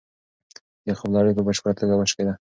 د خوب لړۍ په بشپړه توګه وشکېده.